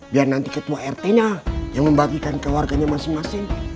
biar nanti ketua rt nya yang membagikan ke warganya masing masing